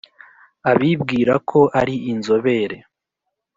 abibwira ko ari inzobere